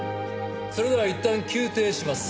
それではいったん休廷します。